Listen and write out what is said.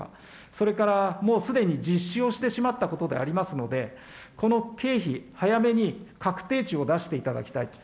それからもうすでに実施をしてしまったことでありますので、この経費、早めに確定値を出していただきたいと。